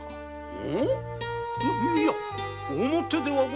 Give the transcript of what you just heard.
は？いや表ではございませぬ！